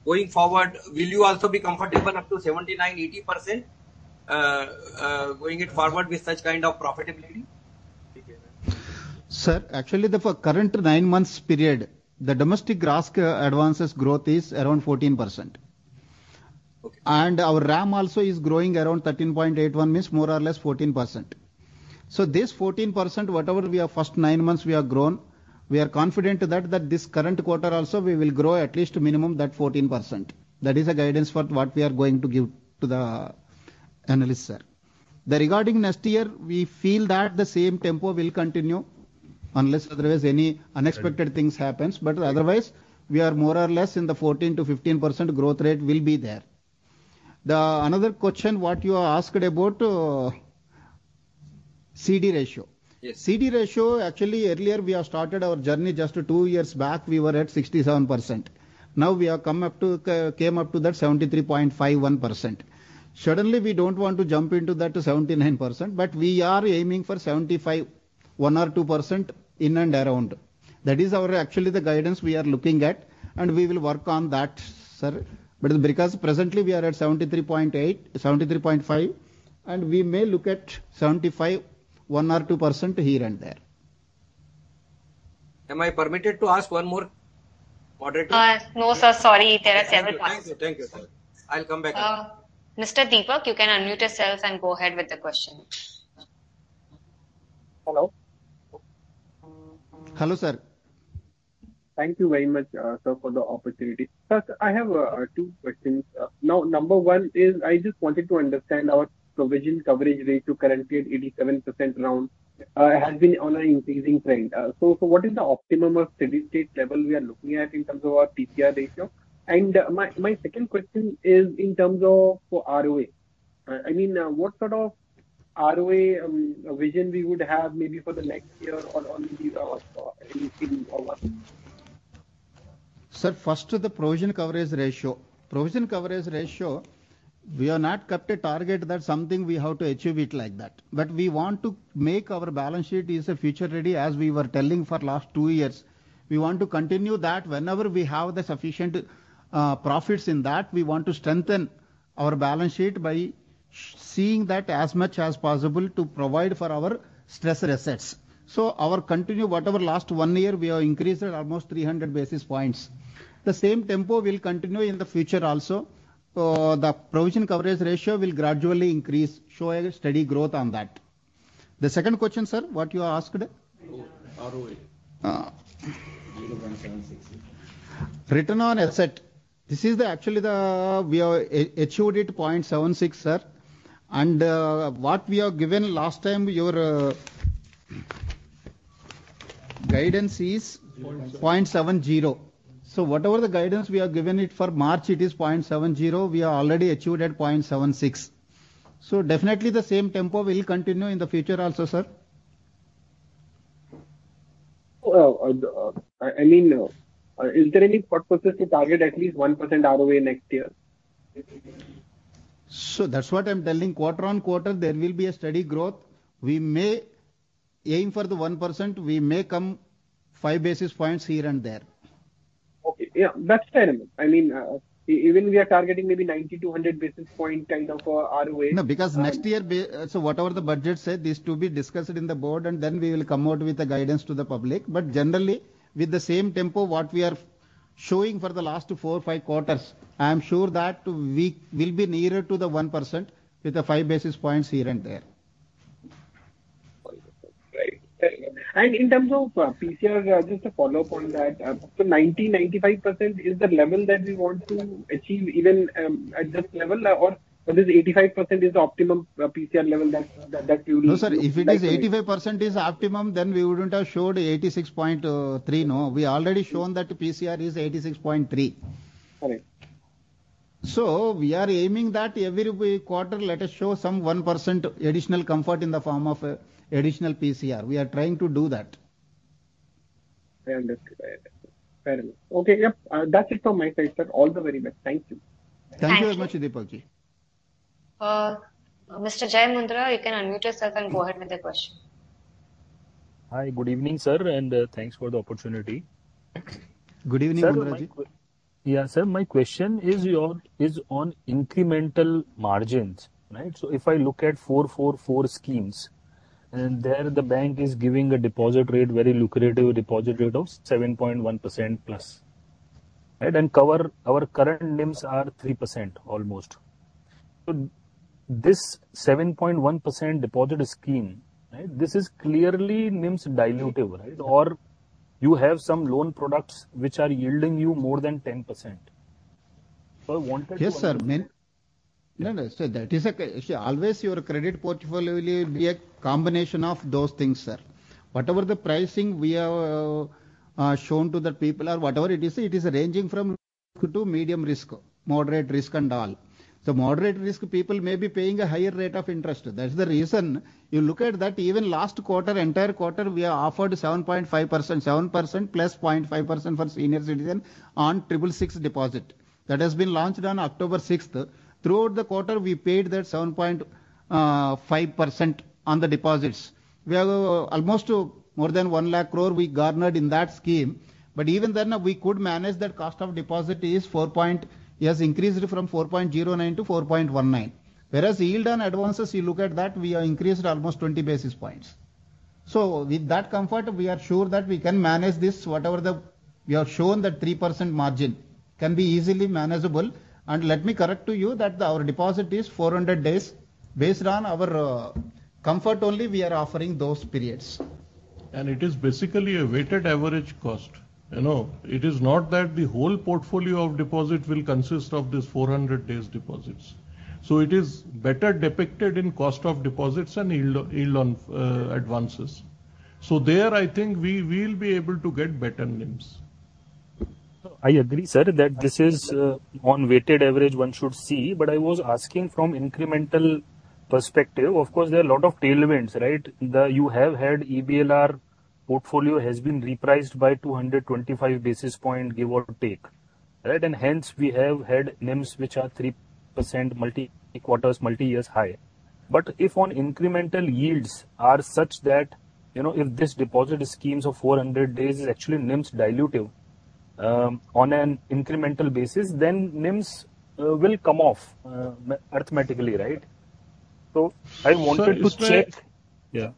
Speaker 7: going forward, will you also be comfortable up to 79%-80% going it forward with such kind of profitability?
Speaker 2: Sir, actually the for current nine months period, the domestic gross, advances growth is around 14%.
Speaker 7: Okay.
Speaker 2: Our RAM also is growing around 13.81, means more or less 14%. This 14%, whatever we have first nine months we have grown, we are confident that this current quarter also we will grow at least minimum that 14%. That is a guidance for what we are going to give to the analyst, sir. Regarding next year, we feel that the same tempo will continue unless otherwise any unexpected things happens. Otherwise we are more or less in the 14%-15% growth rate will be there. Another question what you are asked about CD ratio.
Speaker 7: Yes.
Speaker 2: CD ratio, actually earlier we have started our journey just two years back we were at 67%. Now we have came up to that 73.51%. Suddenly we don't want to jump into that 79%, but we are aiming for 75%, 1 or 2% in and around. That is our actually the guidance we are looking at, and we will work on that, sir. Because presently we are at 73.8%, 73.5%, and we may look at 75%, 1% or 2% here and there.
Speaker 7: Am I permitted to ask one more, moderator?
Speaker 1: No, sir. Sorry. There are several questions.
Speaker 7: Thank you. Thank you, sir. I'll come back.
Speaker 1: Mr. Deepak, you can unmute yourself and go ahead with the question.
Speaker 11: Hello.
Speaker 2: Hello, sir.
Speaker 11: Thank you very much, sir, for the opportunity. First, I have two questions. Now number one is I just wanted to understand our provision coverage ratio currently at 87% around has been on an increasing trend. So what is the optimum or steady-state level we are looking at in terms of our PCR ratio? My second question is in terms of for ROA. I mean, what sort of ROA vision we would have maybe for the next year or only these are anything over?
Speaker 2: Sir, first to the provision coverage ratio. Provision coverage ratio, we have not kept a target that something we have to achieve it like that. We want to make our balance sheet is a future ready, as we were telling for last two years. We want to continue that. Whenever we have the sufficient profits in that, we want to strengthen our balance sheet by seeing that as much as possible to provide for our stress assets. Our continue whatever last one year we have increased at almost 300 basis points. The same tempo will continue in the future also. The provision coverage ratio will gradually increase, show a steady growth on that. The second question, sir, what you asked?
Speaker 11: ROA.
Speaker 2: Ah.
Speaker 11: 0.76.
Speaker 2: Return on asset. This is actually we have achieved it 0.76%, sir. What we have given last time your guidance is.
Speaker 11: Point 7.
Speaker 2: 0.70. Whatever the guidance we have given it for March it is 0.70, we have already achieved at 0.76. Definitely the same tempo will continue in the future also, sir.
Speaker 11: I mean, is there any purposes to target at least 1% ROA next year?
Speaker 2: That's what I'm telling quarter-on-quarter there will be a steady growth. We may aim for the 1%, we may come 5 basis points here and there.
Speaker 11: Okay. Yeah, that's fair enough. I mean, even we are targeting maybe 90 to 100 basis point kind of for ROA.
Speaker 2: Because next year, whatever the budget said, this to be discussed in the board and then we will come out with the guidance to the public. Generally, with the same tempo, what we are showing for the last four or five quarters, I am sure that we will be nearer to the 1% with the 5 basis points here and there.
Speaker 11: Right. Fair enough. In terms of, PCR, just a follow-up on that. 90%-95% is the level that we want to achieve even at this level or whether this 85% is the optimum, PCR level that you will-
Speaker 2: No, sir. If it is 85% is optimum, then we wouldn't have showed 86.3, no. We already shown that PCR is 86.3.
Speaker 11: Correct.
Speaker 2: We are aiming that every quarter let us show some 1% additional comfort in the form of, additional PCR. We are trying to do that.
Speaker 11: I understand. Fair enough. Okay. Yep, that's it from my side, sir. All the very best. Thank you.
Speaker 2: Thank you very much, Deepak Kumar.
Speaker 1: Mr. Jai Mundra, you can unmute yourself and go ahead with the question.
Speaker 12: Hi, good evening, sir, and thanks for the opportunity.
Speaker 2: Good evening, Mundra ji.
Speaker 12: Sir, my question is on incremental margins, right? If I look at four, four schemes, and there the bank is giving a deposit rate, very lucrative deposit rate of 7.1% plus, right? Our current NIMs are 3% almost. This 7.1% deposit scheme, right? This is clearly NIMs dilutive, right? You have some loan products which are yielding you more than 10%. I wanted to understand-
Speaker 2: Yes, sir. No, no. That is a... See, always your credit portfolio will be a combination of those things, sir. Whatever the pricing we have shown to the people or whatever it is, it is ranging from to medium risk, moderate risk and all. Moderate risk people may be paying a higher rate of interest. That is the reason you look at that even last quarter, entire quarter, we have offered 7.5%, 7% plus 0.5% for senior citizen on 666-Day Deposit Scheme. That has been launched on October 6th. Throughout the quarter, we paid that 7.5% on the deposits. We have almost more than 1 lakh crore we garnered in that scheme. Even then we could manage that cost of deposit is four point... It has increased from 4.09 to 4.19. Yield on advances, you look at that, we have increased almost 20 basis points. With that comfort we are sure that we can manage this. We have shown that 3% margin can be easily manageable. Let me correct to you that our deposit is 400 days. Based on our comfort only we are offering those periods.
Speaker 4: It is basically a weighted average cost. You know, it is not that the whole portfolio of deposit will consist of this 400 days deposits. It is better depicted in cost of deposits and yield on advances. There I think we will be able to get better NIMs.
Speaker 12: I agree, sir, that this is on weighted average one should see, but I was asking from incremental perspective, of course, there are a lot of tailwinds, right? You have had EBLR portfolio has been repriced by 225 basis points, give or take, right? Hence we have had NIMs which are 3% multi-quarters, multi-years high. If on incremental yields are such that if this deposit schemes of 400 days is actually NIMs dilutive, on an incremental basis, then NIMs will come off mathematically, right? I wanted to check.
Speaker 4: Sir, it's like-
Speaker 2: Yeah.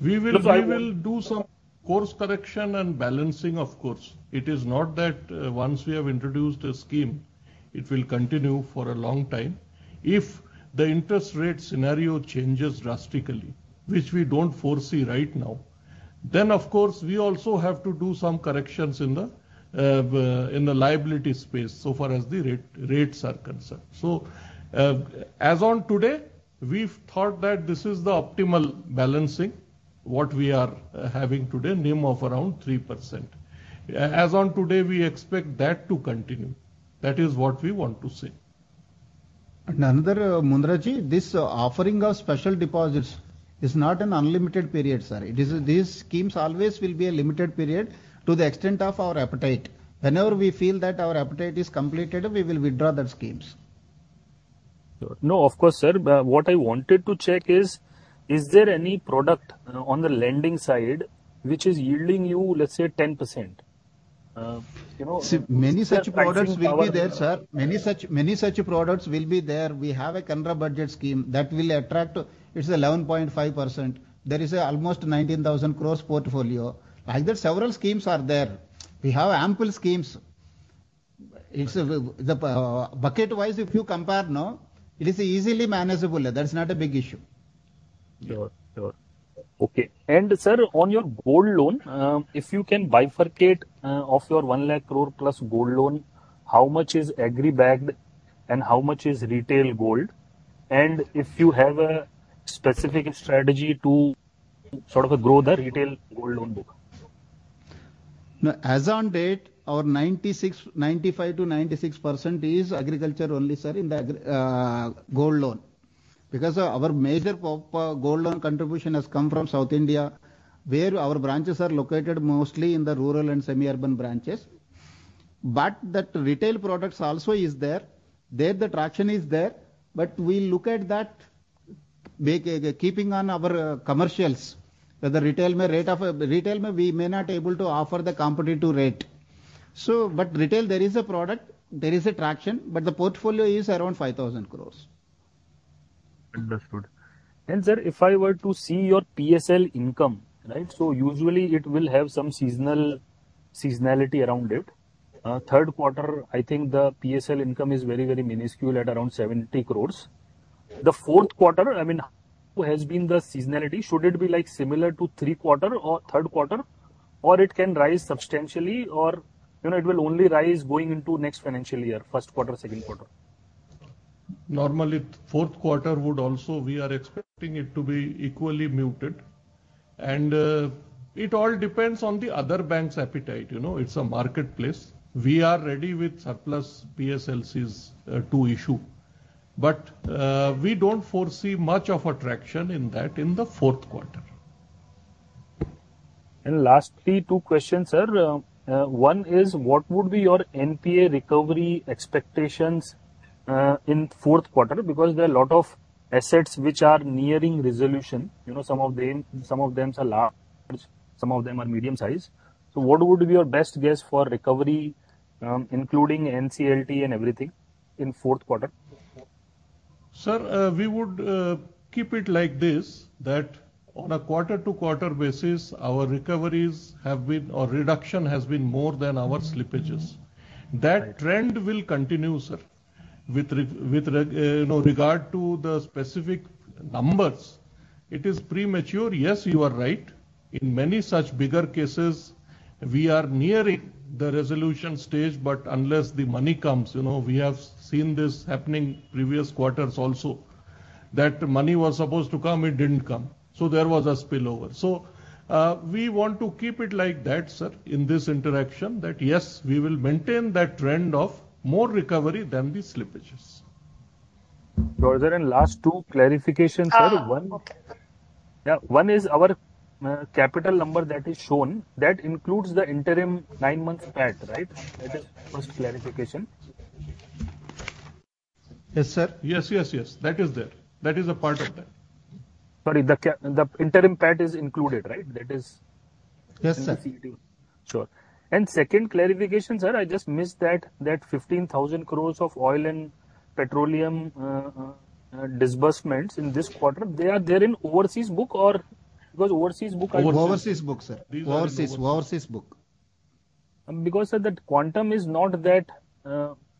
Speaker 4: We will do some course correction and balancing, of course. It is not that once we have introduced a scheme, it will continue for a long time. If the interest rate scenario changes drastically, which we don't foresee right now, then of course, we also have to do some corrections in the liability space so far as the rates are concerned. As on today, we've thought that this is the optimal balancing what we are having today, NIM of around 3%. As on today, we expect that to continue. That is what we want to say.
Speaker 2: Another, Munraji, this offering of special deposits is not an unlimited period, sir. These schemes always will be a limited period to the extent of our appetite. Whenever we feel that our appetite is completed, we will withdraw that schemes.
Speaker 12: No, of course, sir. What I wanted to check is there any product on the lending side which is yielding you, let's say, 10%? you know
Speaker 2: Many such products will be there, sir. Many such products will be there. We have a Canara Budget scheme that will attract, it's 11.5%. There is almost 19,000 cross-portfolio. Like that, several schemes are there. We have ample schemes. It's the bucket-wise if you compare, no, it is easily manageable. That's not a big issue.
Speaker 12: Sure. Sure. Okay. Sir, on your gold loan, if you can bifurcate, of your 1 lakh crore plus gold loan, how much is agri-bagged and how much is retail gold? If you have a specific strategy to grow the retail gold loan book.
Speaker 2: As on date, our 95% to 96% is agriculture only, sir, in the gold loan. Because our major gold loan contribution has come from South India, where our branches are located mostly in the rural and semi-urban branches. That retail products also is there. There the traction is there. We look at that keeping on our commercials, where the retail rate of retail we may not able to offer the competitive rate. Retail there is a product, there is a traction, but the portfolio is around 5,000 crores.
Speaker 12: Understood. Sir, if I were to see your PSL income. Usually it will have some seasonal, seasonality around it. Third quarter, I think the PSL income is very, very minuscule at around 70 crores. The fourth quarter, I mean, has been the seasonality. Should it be like similar to three quarter or third quarter, or it can rise substantially or it will only rise going into next financial year, first quarter, second quarter?
Speaker 4: Normally, fourth quarter would also we are expecting it to be equally muted. It all depends on the other bank's appetite, you know, it's a marketplace. We are ready with surplus PSLCs, to issue, but we don't foresee much of a traction in that in the fourth quarter.
Speaker 12: Lastly, two questions, sir. One is what would be your NPA recovery expectations in fourth quarter? There are a lot of assets which are nearing resolution. You know, some of them are large, some of them are medium-sized. What would be your best guess for recovery, including NCLT and everything in fourth quarter?
Speaker 4: Sir, we would keep it like this, that on a quarter-to-quarter basis, our recoveries have been or reduction has been more than our slippages.
Speaker 12: Right.
Speaker 4: That trend will continue, sir. With, you know, regard to the specific numbers, it is premature. Yes, you are right. In many such bigger cases, we are nearing the resolution stage, but unless the money comes, you know, we have seen this happening previous quarters also. That money was supposed to come, it didn't come, so there was a spill-over. We want to keep it like that, sir, in this interaction that, yes, we will maintain that trend of more recovery than the slippages.
Speaker 12: Further last two clarifications, sir.
Speaker 2: Uh-
Speaker 12: Yeah, one is our capital number that is shown, that includes the interim 9-month PAT, right? That is first clarification.
Speaker 4: Yes, sir. Yes. That is there. That is a part of that.
Speaker 12: Sorry, the interim PAT is included, right? That is-
Speaker 4: Yes, sir.
Speaker 12: -in the CD. Sure. Second clarification, sir, I just missed that 15,000 crore of oil and petroleum disbursements in this quarter, they are there in overseas book or... Because overseas book, I think-
Speaker 4: Overseas.
Speaker 2: Overseas book, sir.
Speaker 4: These are in overseas.
Speaker 2: Overseas. Overseas book.
Speaker 12: Sir, that quantum is not that,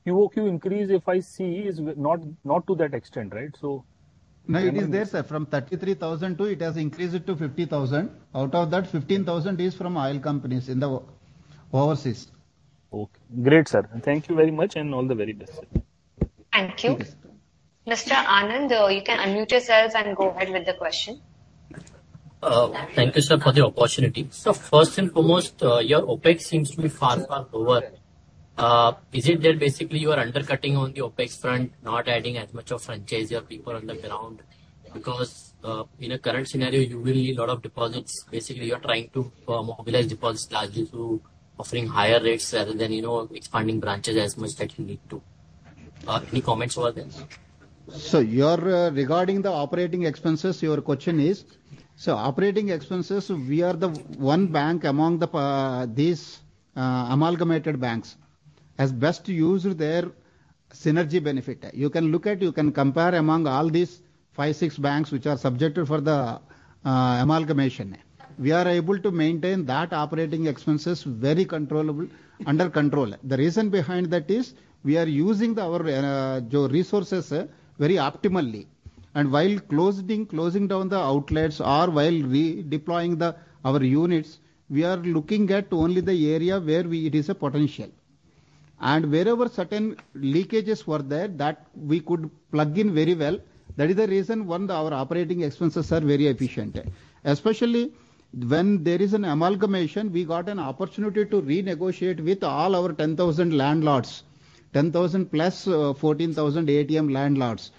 Speaker 12: QOQ increase if I see is not to that extent, right?
Speaker 2: No, it is there, sir. From 33,000 to it has increased to 50,000. Out of that, 15,000 is from oil companies in the overseas.
Speaker 12: Okay. Great, sir. Thank you very much and all the very best.
Speaker 2: Thank you.
Speaker 12: Thank you.
Speaker 2: Mr. Anand, you can unmute yourself and go ahead with the question.
Speaker 13: Thank you, sir, for the opportunity. First and foremost, your OpEx seems to be far, far lower. Is it that basically you are undercutting on the OpEx front, not adding as much of franchise or people on the ground? Because, in a current scenario, you will need a lot of deposits. Basically, you are trying to mobilize deposits largely through offering higher rates rather than, you know, expanding branches as much that you need to. Any comments over there, sir?
Speaker 2: Regarding the operating expenses, your question is. Operating expenses, we are the one bank among these amalgamated banks. As best use their synergy benefit. You can look at, you can compare among all these five, six banks which are subjected for the amalgamation. We are able to maintain that operating expenses very controllable, under control. The reason behind that is we are using our resources very optimally. While closing down the outlets or while redeploying our units, we are looking at only the area where we it is a potential. Wherever certain leakages were there, that we could plug in very well. That is the reason one, our operating expenses are very efficient. Especially when there is an amalgamation, we got an opportunity to renegotiate with all our 10,000 landlords. 10,000 plus 14,000 ATM landlords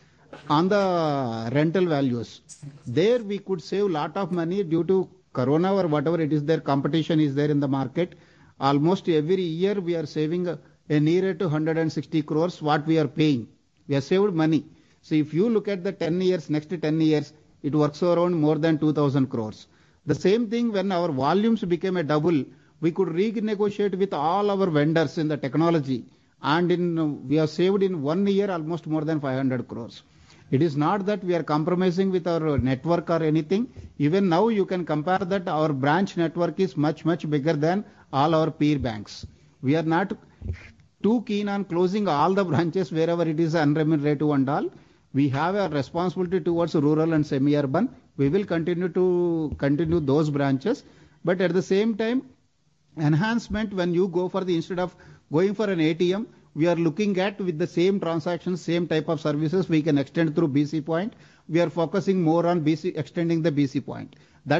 Speaker 2: on the rental values. There we could save lot of money due to corona or whatever it is there, competition is there in the market. Almost every year we are saving nearer to 160 crores what we are paying. We have saved money. If you look at the 10 years, next 10 years, it works around more than 2,000 crores. The same thing when our volumes became a double, we could renegotiate with all our vendors in the technology and in, we have saved in one year almost more than 500 crores. It is not that we are compromising with our network or anything. Even now you can compare that our branch network is much, much bigger than all our peer banks. We are not too keen on closing all the branches wherever it is unremunerative and all. We will continue those branches. At the same time, enhancement when you go for the... Instead of going for an ATM, we are looking at with the same transactions, same type of services we can extend through BC point. We are focusing more on BC, extending the BC point.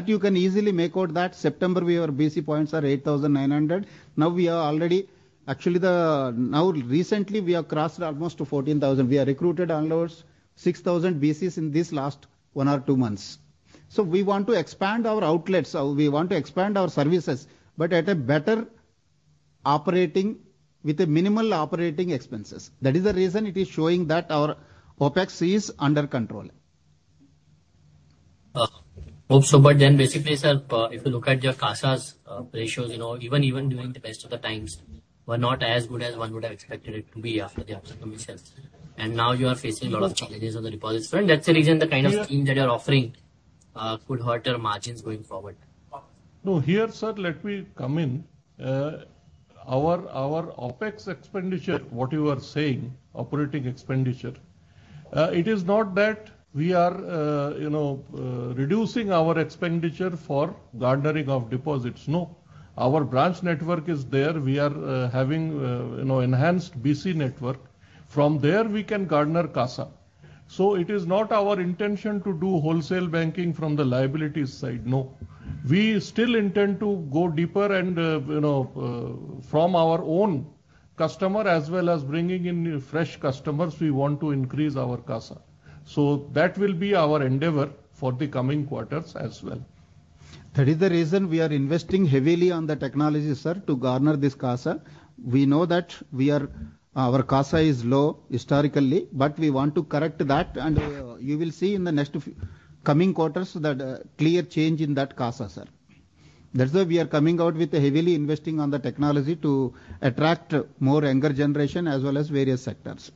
Speaker 2: You can easily make out that September we were BC points are 8,900. Recently we have crossed almost to 14,000. We have recruited almost 6,000 BCs in this last one or two months. We want to expand our outlets, we want to expand our services, but at a better operating, with a minimal operating expenses. That is the reason it is showing that our OpEx is under control.
Speaker 13: Hope so. Basically, sir, if you look at your CASA ratios even during the best of the times were not as good as one would have expected it to be after the.
Speaker 4: No.
Speaker 13: Now you are facing a lot of challenges on the deposits front. That's the reason the kind of scheme that you're offering, could hurt your margins going forward.
Speaker 4: No. Here, sir, let me come in. our OpEx expenditure, what you are saying, operating expenditure, it is not that we are, you know, reducing our expenditure for garnering of deposits. No. Our branch network is there. We are, having enhanced BC network. From there we can garner CASA. It is not our intention to do wholesale banking from the liabilities side. No. We still intend to go deeper and, you know, from our own customer as well as bringing in fresh customers, we want to increase our CASA. That will be our endeavor for the coming quarters as well.
Speaker 2: That is the reason we are investing heavily on the technology, sir, to garner this CASA. We know that our CASA is low historically, but we want to correct that and you will see in the next few coming quarters that clear change in that CASA, sir. That is why we are coming out with heavily investing on the technology to attract more younger generation as well as various sectors.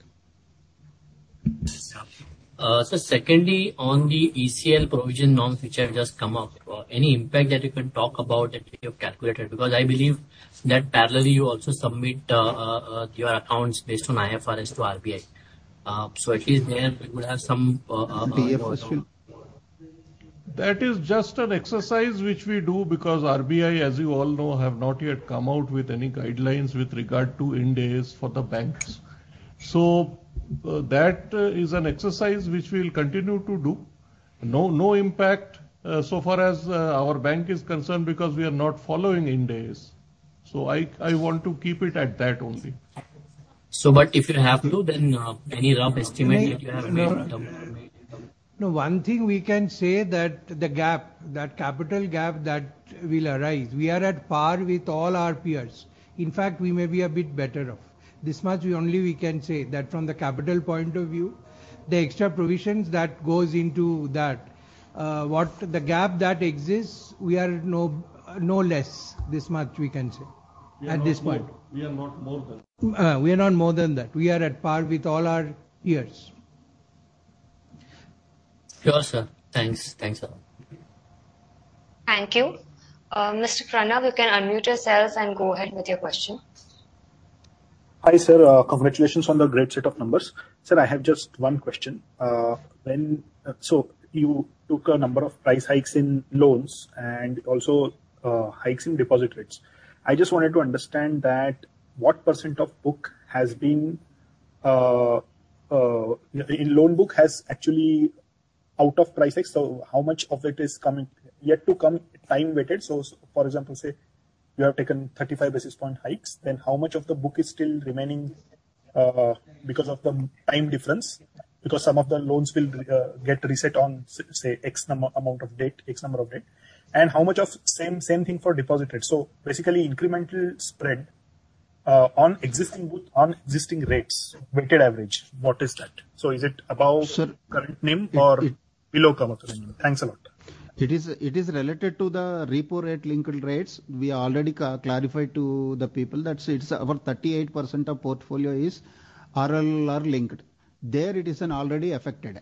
Speaker 13: Secondly, on the ECL provision norms which have just come up, any impact that you can talk about that you have calculated? Because I believe that parallelly you also submit your accounts based on IFRS to RBI. At least there we would have some.
Speaker 4: The question.
Speaker 2: That is just an exercise which we do because RBI, as you all know, have not yet come out with any guidelines with regard to IND AS for the banks. That is an exercise which we'll continue to do. No impact so far as our bank is concerned because we are not following IND AS. I want to keep it at that only.
Speaker 13: If you have to, then, any rough estimate that you have made?
Speaker 2: No, one thing we can say that the gap, that capital gap that will arise, we are at par with all our peers. In fact, we may be a bit better off. This much we only can say that from the capital point of view, the extra provisions that goes into that, what the gap that exists, we are no less. This much we can say at this point.
Speaker 1: We are not more than.
Speaker 2: We are not more than that. We are at par with all our peers.
Speaker 13: Sure, sir. Thanks. Thanks a lot.
Speaker 1: Thank you. Mr. Pranav, you can unmute yourselves and go ahead with your question.
Speaker 14: Hi, sir. Congratulations on the great set of numbers. Sir, I have just one question. You took a number of price hikes in loans and also, hikes in deposit rates. I just wanted to understand that what percent of book has been, in loan book has actually out of price hikes, so how much of it is coming, yet to come time-weighted? For example, say you have taken 35 basis point hikes, then how much of the book is still remaining, because of the time difference? Some of the loans will, get reset on say, X number amount of date, X number of date. How much of same thing for deposit rates. Basically incremental spread, on existing book, on existing rates, weighted average, what is that? Is it above-
Speaker 2: Sir-
Speaker 14: current NIM or below current NIM? Thanks a lot.
Speaker 2: It is related to the repo rate linked rates. We already clarified to the people that it's our 38% of portfolio is RLLR linked. There it is already affected.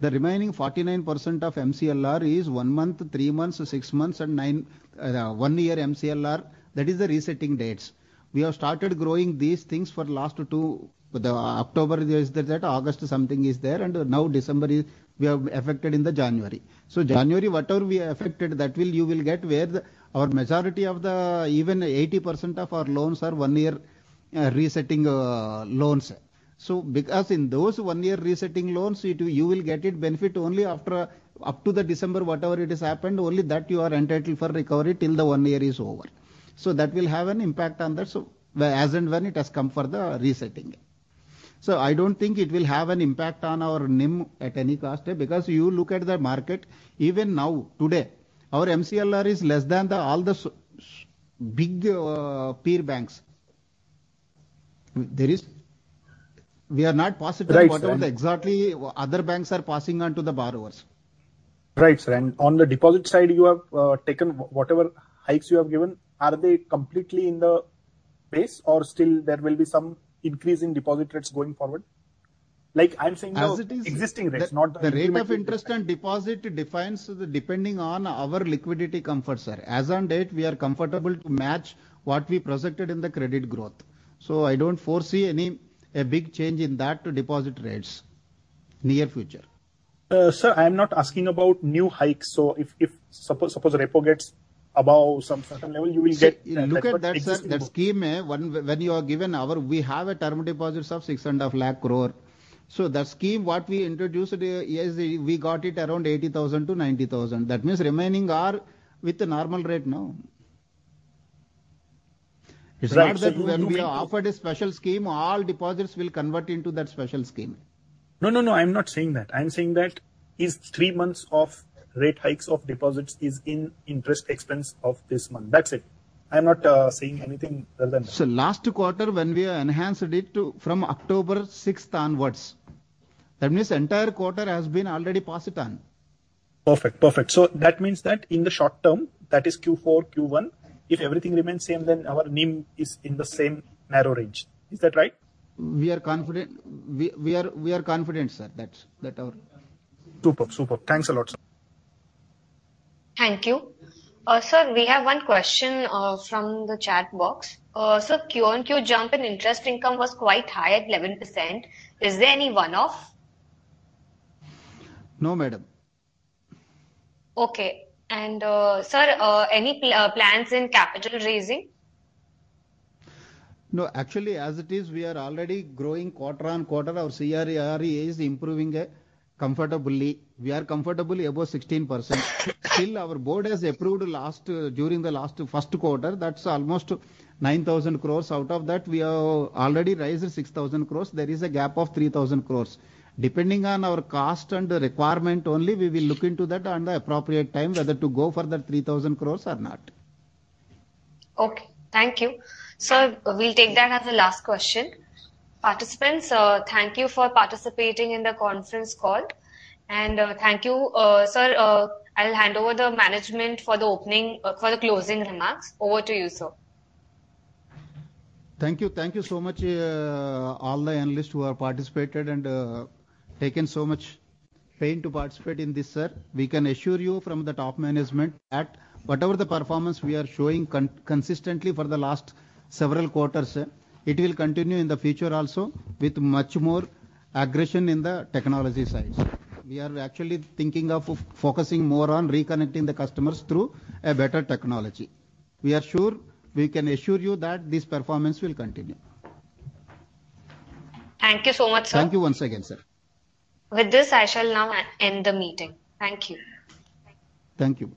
Speaker 2: The remaining 49% of MCLR is one month, three months, six months and one year MCLR. That is the resetting dates. We have started growing these things for last two, the October is that August something is there, and now December is we have affected in the January. January, whatever we are affected, that will you will get where the our majority of the even 80% of our loans are one year resetting loans. Because in those one-year resetting loans, it will you will get it benefit only after up to the December, whatever it is happened, only that you are entitled for recovery till the one year is over. That will have an impact on that. As and when it has come for the resetting. I don't think it will have an impact on our NIM at any cost because you look at the market, even now, today, our MCLR is less than the all the big peer banks. We are not positive-
Speaker 14: Right, sir.
Speaker 2: Whatever the exactly other banks are passing on to the borrowers.
Speaker 14: Right, sir. On the deposit side, you have taken whatever hikes you have given, are they completely in the base or still there will be some increase in deposit rates going forward? Like, I'm saying.
Speaker 2: As it is.
Speaker 14: existing rates, not-
Speaker 2: The rate of interest and deposit defines depending on our liquidity comfort, sir. As on date, we are comfortable to match what we projected in the credit growth. I don't foresee any, a big change in that deposit rates near future.
Speaker 14: sir, I am not asking about new hikes. if suppose repo gets above some certain level, you will.
Speaker 2: See, look at that, sir. That scheme, when you are given we have a term deposits of 6.5 lakh crore. The scheme, what we introduced is we got it around 80,000-90,000. That means remaining are with the normal rate now.
Speaker 14: Right.
Speaker 2: It's not that when we offered a special scheme, all deposits will convert into that special scheme.
Speaker 14: No, no, I'm not saying that. I'm saying that is three months of rate hikes of deposits is in interest expense of this month. That's it. I'm not saying anything other than that.
Speaker 2: Last quarter when we enhanced it to from October sixth onwards, that means entire quarter has been already passed on.
Speaker 14: Perfect. Perfect. That means that in the short term, that is Q4, Q1, if everything remains same, then our NIM is in the same narrow range. Is that right?
Speaker 2: We are confident. We are confident, sir, that
Speaker 14: Super. Thanks a lot, sir.
Speaker 1: Thank you. sir, we have one question, from the chat box. sir, Q on Q jump in interest income was quite high at 11%. Is there any one-off?
Speaker 2: No, madam.
Speaker 1: Okay. sir, any plans in capital raising?
Speaker 2: No. Actually, as it is, we are already growing quarter-on-quarter. Our CRAR is improving comfortably. We are comfortable above 16%. Still, our board has approved last during the last first quarter, that's almost 9,000 crores. Out of that we have already raised 6,000 crores. There is a gap of 3,000 crores. Depending on our cost and requirement only, we will look into that on the appropriate time whether to go for that 3,000 crores or not.
Speaker 1: Okay, thank you. Sir, we'll take that as the last question. Participants, thank you for participating in the conference call. Thank you, sir, I'll hand over the management for the closing remarks. Over to you, sir.
Speaker 2: Thank you. Thank you so much, all the analysts who have participated and taken so much pain to participate in this, sir. We can assure you from the top management that whatever the performance we are showing consistently for the last several quarters, it will continue in the future also with much more aggression in the technology side. We are actually thinking of focusing more on reconnecting the customers through a better technology. We are sure, we can assure you that this performance will continue.
Speaker 1: Thank you so much, sir.
Speaker 2: Thank you once again, sir.
Speaker 1: With this, I shall now end the meeting. Thank you.
Speaker 2: Thank you.